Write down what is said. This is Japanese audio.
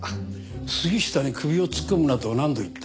杉下に「首を突っ込むな」と何度言った？